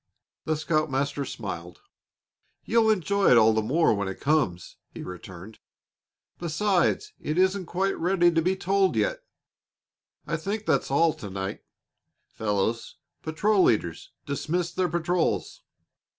The scoutmaster smiled. "You'll enjoy it all the more when it comes," he returned. "Besides, it isn't quite ready to be told yet. I think that's all to night, fellows. Patrol leaders dismiss their patrols."